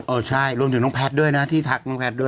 เออใช่รวมถึงน้องแพทย์ด้วยนะที่ทักน้องแพทย์ด้วย